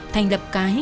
thành lập cái